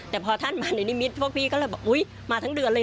แต่พอท่านมาในนิมิตพวกพี่ก็เลยบอกอุ๊ยมาทั้งเดือนเลย